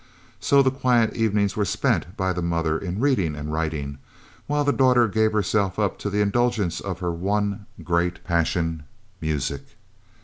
So the quiet evenings were spent by the mother in reading and writing, while the daughter gave herself up to the indulgence of her one great passion, music.